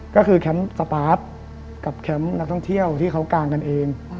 ก็คือแคมป์สปาร์ทกับแคมป์นักท่องเที่ยวที่เขากางกันเอง